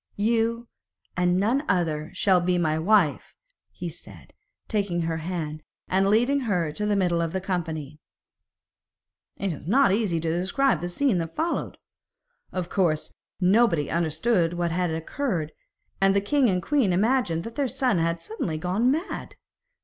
'You and none other shall be my wife,' he said, taking her hand, and leading her into the middle of the company. It is not easy to describe the scene that followed. Of course, nobody understood what had occurred, and the king and queen imagined that their son had suddenly gone mad.